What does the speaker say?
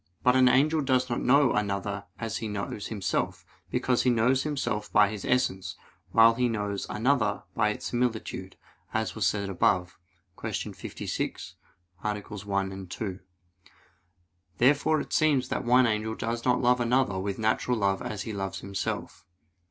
But an angel does not know another as he knows himself: because he knows himself by his essence, while he knows another by his similitude, as was said above (Q. 56, AA. 1, 2). Therefore it seems that one angel does not love another with natural love as he loves himself.